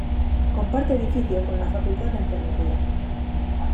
Comparte edificio con la Facultad de Enfermería.